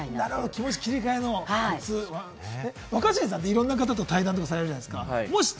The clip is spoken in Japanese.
気持ち切り替えのコツ、若新さんはいろんな方と対談とかされるじゃないですか？